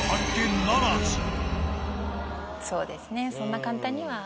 そうですね。